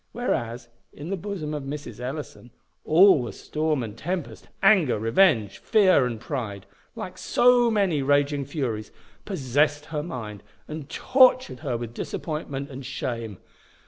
Whereas, in the bosom of Mrs. Ellison, all was storm and tempest; anger, revenge, fear, and pride, like so many raging furies, possessed her mind, and tortured her with disappointment and shame.